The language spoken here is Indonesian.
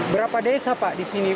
berapa desa pak di sini